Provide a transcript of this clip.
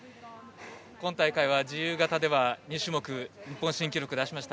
今大会は自由形では２種目日本新記録出しました。